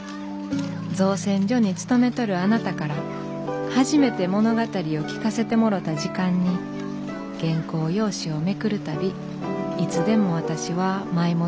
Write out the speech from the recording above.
造船所に勤めとるあなたから初めて物語を聞かせてもろた時間に原稿用紙をめくる度いつでも私は舞い戻ることができるんです」。